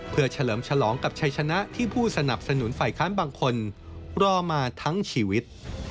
เพื่อเฉลิมฉลองกับชัยชนะที่ผู้สนับสนุนฝ่ายค้านบางคนรอมาทั้งชีวิต